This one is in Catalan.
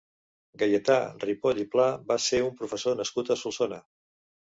Gaietà Ripoll i Pla va ser un professor nascut a Solsona.